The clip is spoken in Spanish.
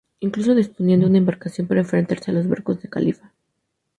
Incluso disponían de una embarcación para enfrentarse a los barcos del califa.